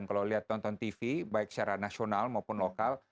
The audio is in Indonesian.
kalau lihat nonton tv baik secara nasional maupun lokal